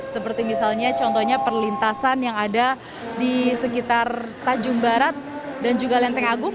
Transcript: seperti misalnya contohnya perlintasan yang ada di sekitar tajung barat dan juga lenteng agung